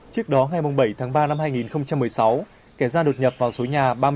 trước đó ngày bảy tháng ba năm hai nghìn một mươi sáu kẻ gia đột nhập vào số nhà ba mươi năm